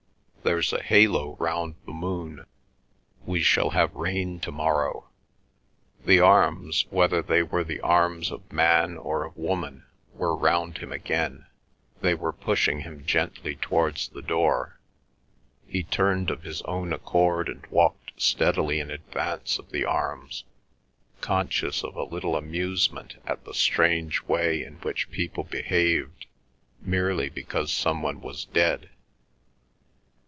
There's a halo round the moon. We shall have rain to morrow." The arms, whether they were the arms of man or of woman, were round him again; they were pushing him gently towards the door. He turned of his own accord and walked steadily in advance of the arms, conscious of a little amusement at the strange way in which people behaved merely because some one was dead.